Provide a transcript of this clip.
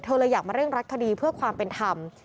เลยอยากมาเร่งรัดคดีเพื่อความเป็นธรรม